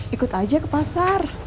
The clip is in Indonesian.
ikut aja ke pasar